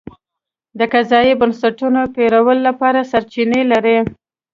د قضایي بنسټونو پېرلو لپاره سرچینې لري.